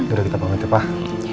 udah kita bangun deh pak